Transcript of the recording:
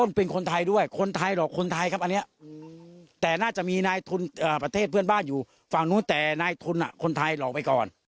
น้องก็เลยหนีออกมาไง